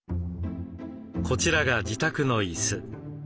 こちらが自宅の椅子。